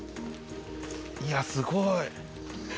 いやすごい。